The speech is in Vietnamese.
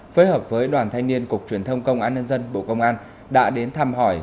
phối hợp với đoàn thanh niên cục truyền thông công an nhân dân bộ công an đã đến thăm hỏi